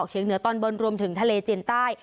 ออกเฉียงเหนือตอนบนรวมถึงทะเลเจียนใต้